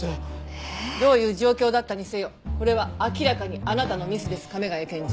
ええ？どういう状況だったにせよこれは明らかにあなたのミスです亀ヶ谷検事。